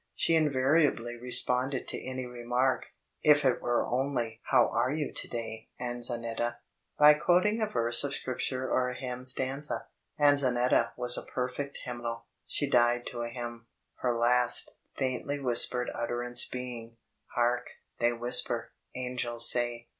She invariably responded to any remark, if it were only "How are you to day, An zonetta?" by quoting a verse of scripture or a hymn stanza. Anzonetta was a perfect hymnal. She died to a hymn, her last, faindy whispered utterance being "Hark, they whisper, angels say.